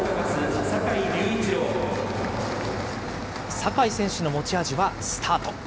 坂井選手の持ち味はスタート。